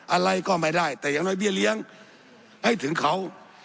อะไรก็ไม่ได้แต่อย่างน้อยเบี้ยเลี้ยงให้ถึงเขา